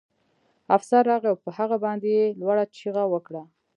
افسر راغی او په هغه باندې یې لوړه چیغه وکړه